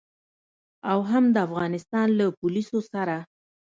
او هم د افغانستان له پوليسو سره.